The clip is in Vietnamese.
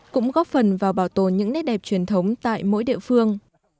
cũng góp phần vào bảo tồn những nét đẹp truyền thống tại mỗi địa phương